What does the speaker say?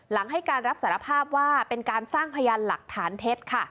ให้การรับสารภาพว่าเป็นการสร้างพยานหลักฐานเท็จค่ะ